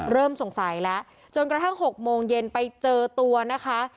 เริ่มสงสัยแล้วจนกระทั่ง๖โมงเย็นไปเจอตัวนะคะ